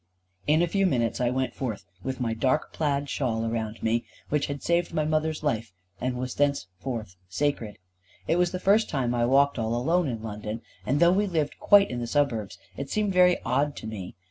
In a few minutes I went forth with my dark plaid shawl around me, which had saved my mother's life, and was thenceforth sacred. It was the first time I walked all alone in London, and though we lived quite in the suburbs it seemed very odd to me.